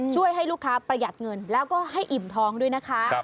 ช่วยให้ลูกค้าประหยัดเงินแล้วก็ให้อิ่มท้องด้วยนะคะ